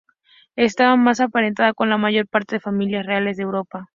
Estaba pues emparentada con la mayor parte de las familias reales de Europa.